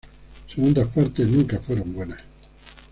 Segundas partes nunca fueron buenas